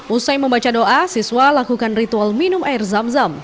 usai membaca doa siswa lakukan ritual minum air zam zam